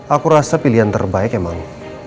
aku rasa pilihan terbaik emang